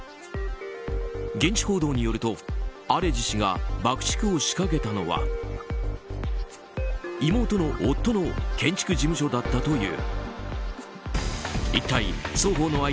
現地報道によるとアレジ氏が爆竹を仕掛けたのは妹の夫の建築事務所だったという。